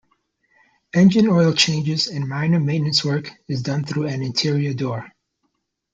Engine oil changes and minor maintenance work is done through an interior door.